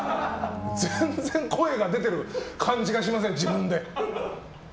全然声が出てる感じがしません自分で。